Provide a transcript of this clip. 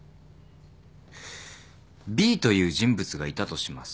Ｂという人物がいたとします。